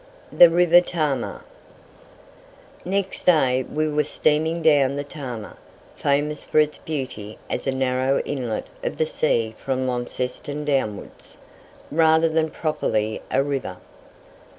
THE RIVER TAMAR. Next day we were steaming down the Tamar, famous for its beauty as a narrow inlet of the sea from Launceston downwards, rather than properly a river.